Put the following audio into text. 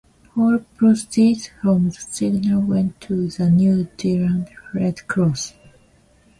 All proceeds from the single went to the New Zealand Red Cross.